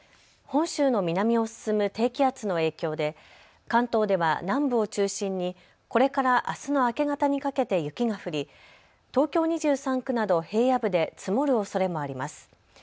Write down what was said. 本州の南を進む低気圧の影響で関東では南部を中心にこれからあすの明け方にかけて雪が降り東京２３区など平野部で積もるおそれもあります。